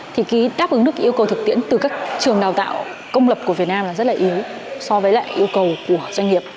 thì cái đáp ứng được yêu cầu thực tiễn từ các trường đào tạo công lập của việt nam là rất là yếu so với lại yêu cầu của doanh nghiệp